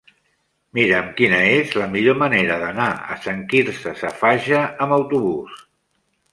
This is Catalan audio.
Mira'm quina és la millor manera d'anar a Sant Quirze Safaja amb autobús.